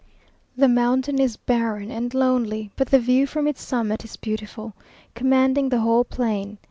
The mountain is barren and lonely, but the view from its summit is beautiful, commanding the whole plain.